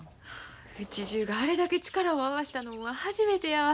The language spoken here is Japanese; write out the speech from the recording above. うちじゅうがあれだけ力を合わしたのんは初めてやわ。